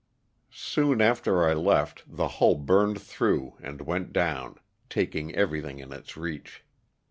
Soon after I left the hull burned through and went down, taking everything in its reach.